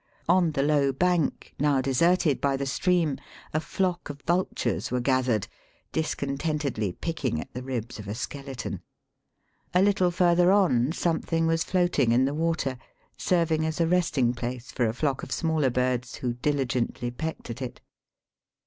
On the low bank, now deserted by the stream, a flock of vultures were gathered, discontentedly picking at the ribs of a skeleton. A little farther on some thing was floating in the water, serving as a resting place for a flock of smaller birds, who diligently pecked at it.